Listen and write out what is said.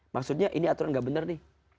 maksudnya ini aturan nggak benar nih